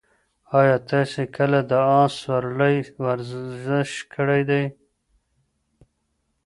ایا تاسي کله د اس سورلۍ ورزش کړی دی؟